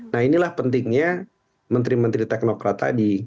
nah inilah pentingnya menteri menteri teknokrat tadi